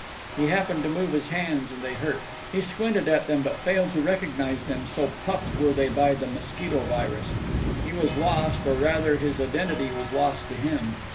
He happened to move his hands, and they hurt. He squinted at them, but failed to recognize them, so puffed were they by the mosquito virus. He was lost, or rather, his identity was lost to him.